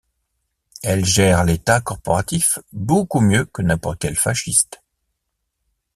Elles gèrent l'État corporatif beaucoup mieux que n’importe quel fasciste.